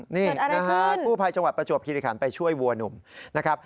อันนี้น่ะครับผู้ภายจังหวัดประจวบคิริขานศ์ไปช่วยวัวหนุ่มนะครับ